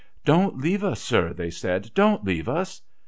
' Don't leave us, sir,' they said, ' don't leave us.'